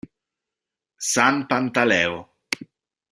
San Pantaleo